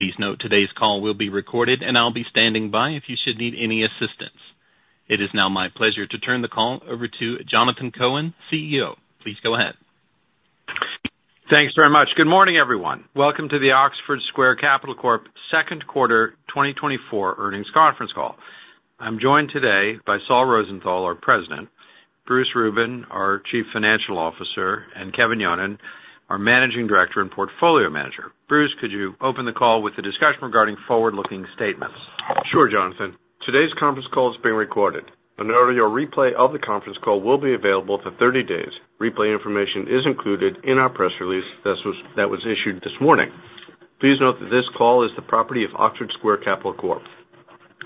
Please note, today's call will be recorded, and I'll be standing by if you should need any assistance. It is now my pleasure to turn the call over to Jonathan Cohen, CEO. Please go ahead. Thanks very much. Good morning, everyone. Welcome to the Oxford Square Capital Corp. second quarter 2024 earnings conference call. I'm joined today by Saul Rosenthal, our President, Bruce Rubin, our Chief Financial Officer, and Kevin Yonon, our Managing Director and Portfolio Manager. Bruce, could you open the call with a discussion regarding forward-looking statements? Sure, Jonathan. Today's conference call is being recorded. An audio replay of the conference call will be available for 30 days. Replay information is included in our press release that was issued this morning. Please note that this call is the property of Oxford Square Capital Corp.,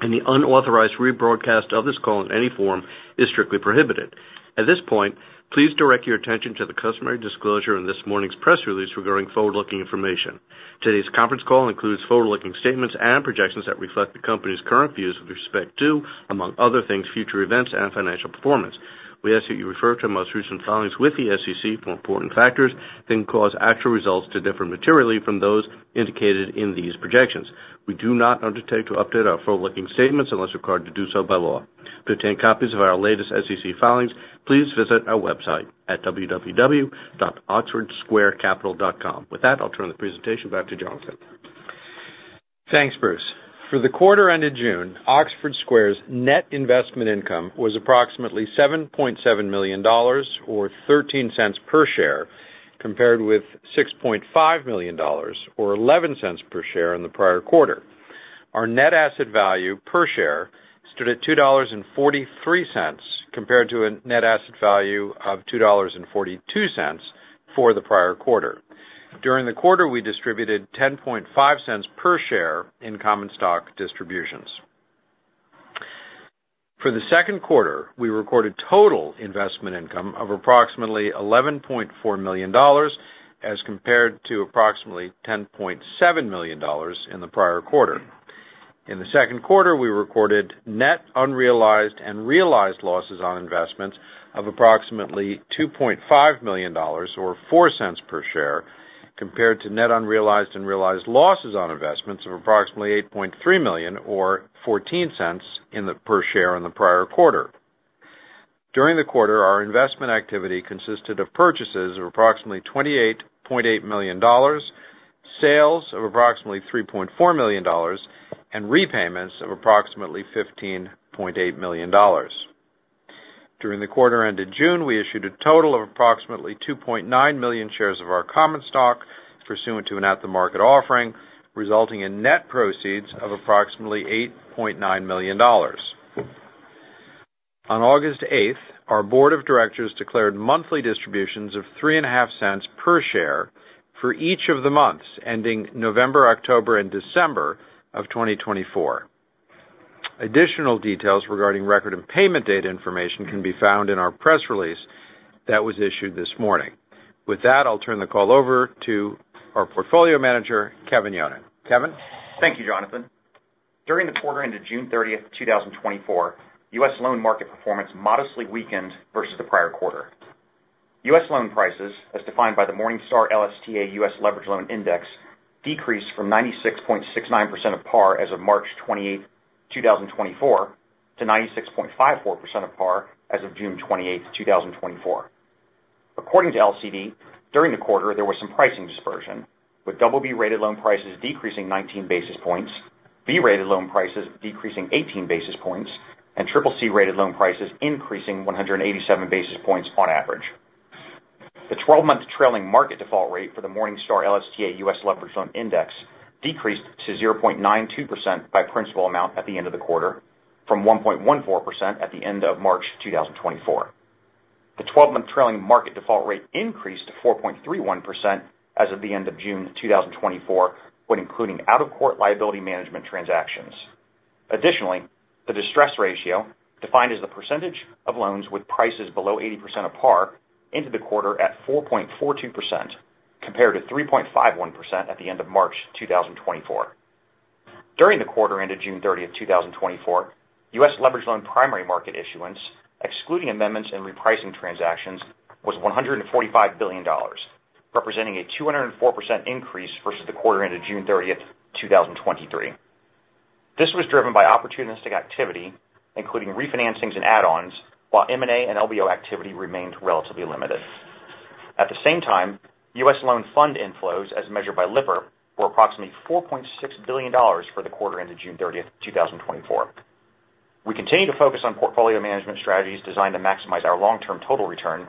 and the unauthorized rebroadcast of this call in any form is strictly prohibited. At this point, please direct your attention to the customary disclosure in this morning's press release regarding forward-looking information. Today's conference call includes forward-looking statements and projections that reflect the company's current views with respect to, among other things, future events and financial performance. We ask that you refer to our most recent filings with the SEC for important factors that can cause actual results to differ materially from those indicated in these projections. We do not undertake to update our forward-looking statements unless required to do so by law. To obtain copies of our latest SEC filings, please visit our website at www.oxfordsquarecapital.com. With that, I'll turn the presentation back to Jonathan. Thanks, Bruce. For the quarter end of June, Oxford Square's net investment income was approximately $7.7 million or $0.13 per share, compared with $6.5 million dollars, or $0.11 per share in the prior quarter. Our net asset value per share stood at $2.43, compared to a net asset value of $2.42 for the prior quarter. During the quarter, we distributed $0.105 per share in common stock distributions. For the second quarter, we recorded total investment income of approximately $11.4 million dollars, as compared to approximately $10.7 million in the prior quarter. In the second quarter, we recorded net unrealized and realized losses on investments of approximately $2.5 million, or $0.04 per share, compared to net unrealized and realized losses on investments of approximately $8.3 million or $0.14 per share in the prior quarter. During the quarter, our investment activity consisted of purchases of approximately $28.8 million, sales of approximately $3.4 million, and repayments of approximately $15.8 million. During the quarter ended June, we issued a total of approximately 2.9 million shares of our common stock, pursuant to an at-the-market offering, resulting in net proceeds of approximately $8.9 million. On August eighth, our board of directors declared monthly distributions of $0.035 per share for each of the months ending November, October, and December of 2024. Additional details regarding record and payment date information can be found in our press release that was issued this morning. With that, I'll turn the call over to our portfolio manager, Kevin Yonon. Kevin? Thank you, Jonathan. During the quarter into June 30, 2024, U.S. loan market performance modestly weakened versus the prior quarter. U.S. loan prices, as defined by the Morningstar LSTA US Leveraged Loan Index, decreased from 96.69% of par as of March 28, 2024, to 96.54% of par as of June 28, 2024. According to LCD, during the quarter, there was some pricing dispersion, with BB-rated loan prices decreasing 19 basis points, B-rated loan prices decreasing 18 basis points, and triple C-rated loan prices increasing 187 basis points on average. The twelve-month trailing market default rate for the Morningstar LSTA US Leveraged Loan Index decreased to 0.92% by principal amount at the end of the quarter, from 1.14% at the end of March 2024. The twelve-month trailing market default rate increased to 4.31% as of the end of June 2024, when including out-of-court liability management transactions. Additionally, the distress ratio, defined as the percentage of loans with prices below 80% of par, ended the quarter at 4.42%, compared to 3.51% at the end of March 2024. During the quarter ended June 30, 2024, U.S. leveraged loan primary market issuance, excluding amendments and repricing transactions, was $145 billion, representing a 204% increase versus the quarter ended June 30, 2023. This was driven by opportunistic activity, including refinancings and add-ons, while M&A and LBO activity remained relatively limited. At the same time, U.S. loan fund inflows, as measured by Lipper, were approximately $4.6 billion for the quarter ended June 30, 2024. We continue to focus on portfolio management strategies designed to maximize our long-term total return,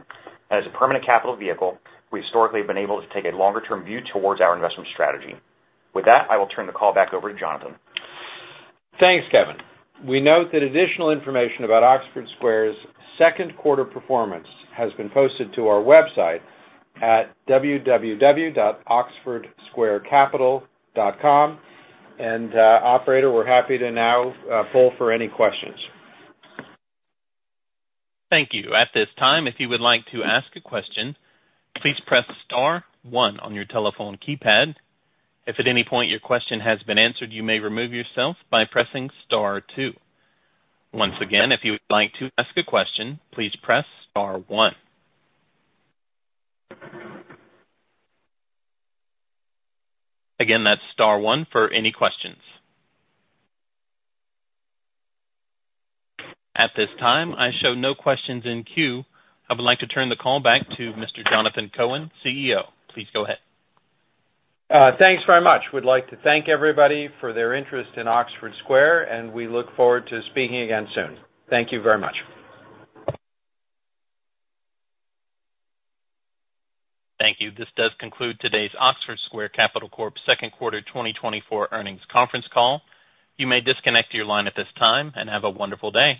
and as a permanent capital vehicle, we've historically been able to take a longer term view towards our investment strategy. With that, I will turn the call back over to Jonathan. Thanks, Kevin. We note that additional information about Oxford Square's second quarter performance has been posted to our website at www.oxfordsquarecapital.com. And, operator, we're happy to now, pull for any questions. Thank you. At this time, if you would like to ask a question, please press star one on your telephone keypad. If at any point your question has been answered, you may remove yourself by pressing star two. Once again, if you would like to ask a question, please press star one. Again, that's star one for any questions. At this time, I show no questions in queue. I would like to turn the call back to Mr. Jonathan Cohen, CEO. Please go ahead. Thanks very much. We'd like to thank everybody for their interest in Oxford Square, and we look forward to speaking again soon. Thank you very much. Thank you. This does conclude today's Oxford Square Capital Corp second quarter 2024 earnings conference call. You may disconnect your line at this time, and have a wonderful day.